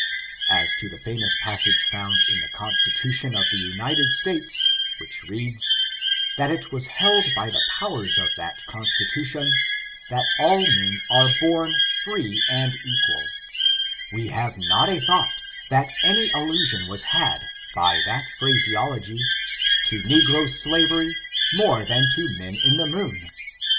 As to the famous passage found in the Constitution of the United States, which reads, that it was held by the powers of that Constitution, that all men are bom ^^free and equal^ we have not a thought that any al lusion was had, by that phraseology, to negro slav ery, more than to men in the moon.